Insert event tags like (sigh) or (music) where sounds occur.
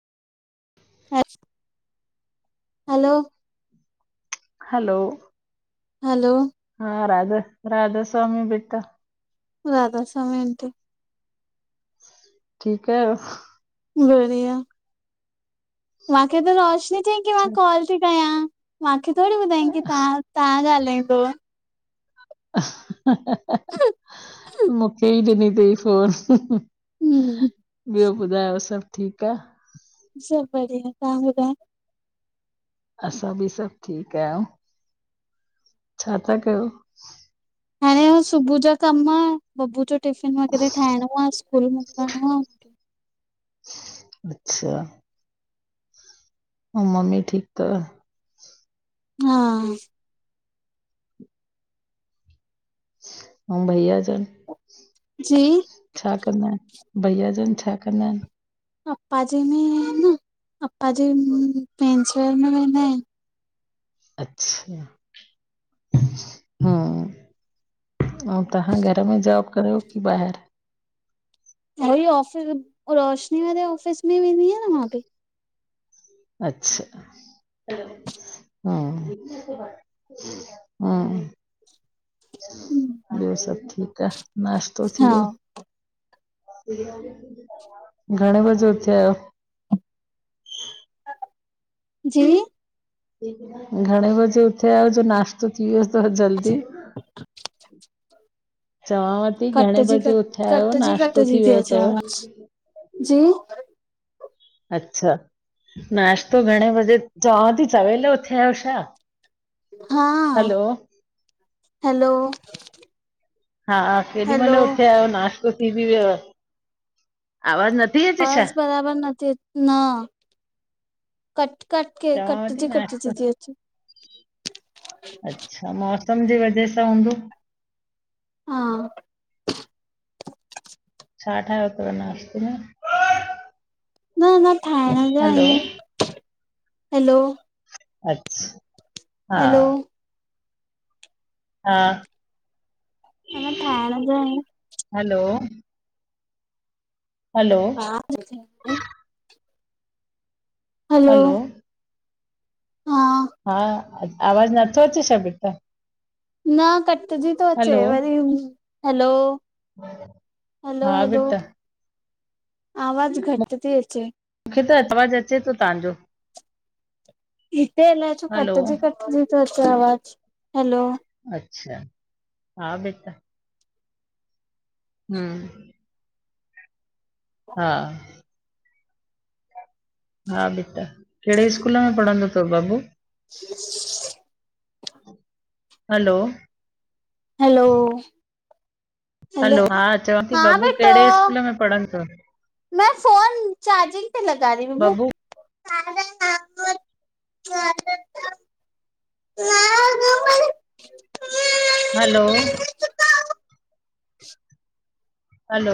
Hello hello hello हा राधा राधा स्वामी बेटा Radha Swami aunty ठीक आहियो बढ़िया मूंखे त रोशनी चयईं की मां अच्छा, कॉल ती कयां मूंखे थोड़ी ॿुधायंई की तव्हां तव्हां ॻाल्हाईंदव मूंखे ई ॾिनी तंई फोन हम्म ॿियो ॿुधायो सॿु ठीक आ सभु बढ़िया तव्हां ॿुधायो असां ॿि सभु ठीकु आहियूं छा ता कयो हाणें हो सुभुअ ॼा कमु बबू ॼो टिफ़िन वग़ैरह ठाहिणो आ स्कूल मोकलणों आ अच्छा ऐं मम्मी ठीक अथव हा अंऊ भईया जन ॼी छा कंदा आहिन भइया जन छा कंदा आहिन पप्पा जी में ई आहिन न पप्पा जे मेंस वियर में वेंदा आहिन अच्छा हा अऊं तव्हां घर में जॉब कयो कि ॿाहेर उहोई ऑफिस रोशनी वारे ऑफिस में ई वेंदी आहियां न मां ॿि अच्छा हा हा ॿियो सभु ठीक आ नाश्तो थी हा वियो घणें ॿॼे उथया आयो? ॼी? घणें बॼे उथया आयो ॼो नाश्तो थी वियो तव जल्दी? चवांव ती घणें कटजी बॼे कट उथया आयो कटजी नाश्तो थी वियो तव? ॼी? अच्छा, नाश्तो घणें ॿॼे चवांव ती सवेल उथया आयो छा? हा, हलो हैलो हा केॾी हैलो मल उथया आयो नाश्तो थी ॿि वियव, आवाॼ न आवाज़ बराबर न थी अच् न कट-कट के चवांव थी नाश्तो कटॼी-कटॼी ती अचे अच्छा, मौसम ॼे वॼह सां हूंदो। हा छा ठायो तव नाश्ते में? न अना ठाहिण जा हलो आहियूं। हैलो अच्छा हा हैलो हा अञा ठाहिण जा आहियूं। हैलो हलो हा हैलो हलो हा हा आवाज़ नथो अचे छा बेटा? न कट कटजी तो अचे हलो, वरी हा हैलो-हैलो-हैलो बेटा आवाज़ घट ती अचे। मुखे त आवाज अचे तो तहांजो। हिते अलाए छो हलो कटजी-कटजी तो अचे आवाज़, हैलो अच्छा हा बेटा हम्म हा हा बेटा, केड़े स्कूल में पढ़ंदो तव बबू। (inaudible) हलो हैलो हैलो हलो हा चवां ती हा बबू बेटो केड़े स्कूल में पढ़नदो तव? मैं फोन चार्जिंग पे लगा री बबू। (unintelligible) (unintelligible) हलो हलो